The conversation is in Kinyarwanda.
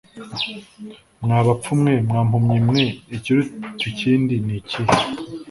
Mwa bapfu mwe, mwa mpumyi mwe, ikiruta ikindi n'ikihe,